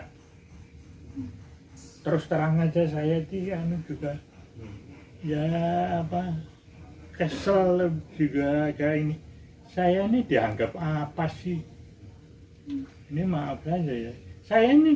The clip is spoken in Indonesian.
terus terang saja saya di mana juga